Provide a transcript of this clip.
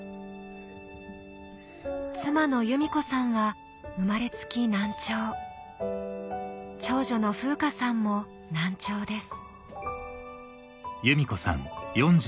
妻の由美子さんは生まれつき難聴長女の楓夏さんも難聴です